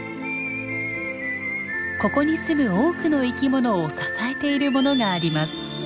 ここに住む多くの生き物を支えているものがあります。